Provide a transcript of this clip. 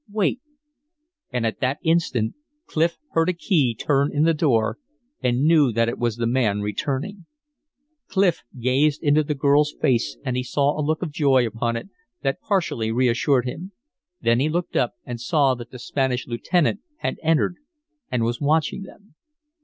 Wait." And at that instant Clif heard a key turn in the door, and knew that it was the man returning. Clif gazed into the girl's face and he saw a look of joy upon it that partially reassured him; then he looked up and saw that the Spanish lieutenant had entered and was watching them.